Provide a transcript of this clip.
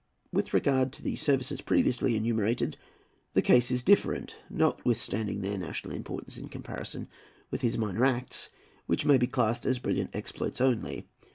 With regard to the services previously enumerated, the case is different, notwithstanding their national importance in comparison with his minor acts, which may be classed as brilliant exploits only.